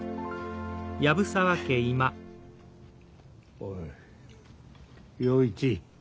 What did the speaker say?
おい洋一。